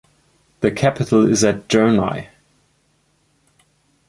The capital is at Jounieh.